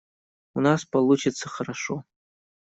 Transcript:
У нас получится хорошо.